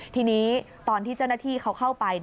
ทีนี้ตอนที่เจ้าหน้าที่เขาเข้าไป